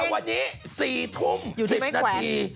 วันนี้๔ทุ่ม๑๐นาที